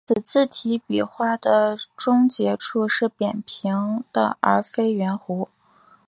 此字体笔画的终结处是扁平的而非圆弧。